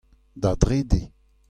da drede.